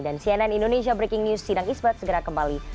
dan cnn indonesia breaking news sinang isbad segera kembali